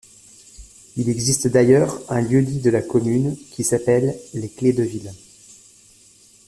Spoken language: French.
Il existe d’ailleurs un lieu-dit de la commune qui s’appelle les Clédevilles.